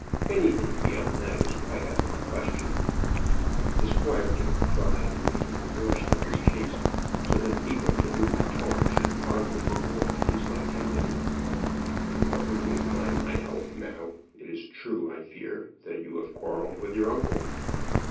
Anything beyond that is quite out of the question." The squire took a pride in making the worst of his case, so that the people to whom he talked should marvel the more at his vitality. "But we won't mind my health now. It is true, I fear, that you have quarrelled with your uncle."